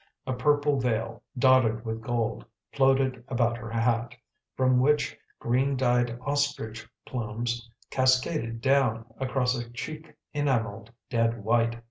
A purple veil, dotted with gold, floated about her hat, from which green dyed ostrich plumes cascaded down across a cheek enamelled dead white.